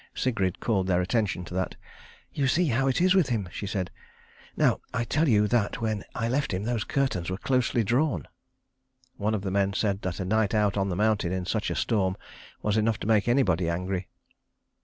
Sigrid called their attention to that. "You see how it is with him," she said. "Now I tell you that when I left him those curtains were closely drawn." One of the men said that a night out on the mountain in such a storm was enough to make anybody angry.